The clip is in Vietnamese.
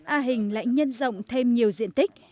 a hình lại nhân rộng thêm nhiều diện tích